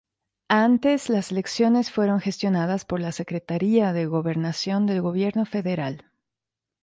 Antes las elecciones fueron gestionadas por la Secretaria de Gobernación del gobierno federal.